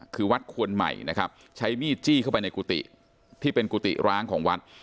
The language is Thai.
คือวัดควรใหม่นะครับใช้มีดจี้เข้าไปในกุฏิที่เป็นกุฏิร้างของวัด